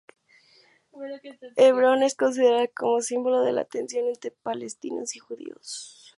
Hebrón es considerada como símbolo de la tensión entre palestinos y judíos.